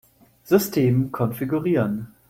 System konfigurieren.